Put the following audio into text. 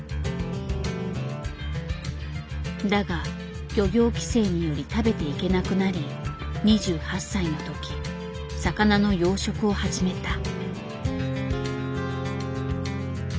だが漁業規制により食べていけなくなり２８歳の時魚の養殖を始めた。